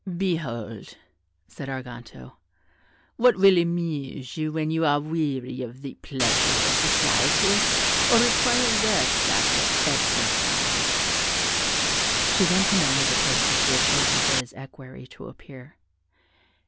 "Behold," said Arganto, "what will amuse you when you are weary of the pleasures of society, or require rest after exercise." She then commanded the person she had chosen for his equerry to appear.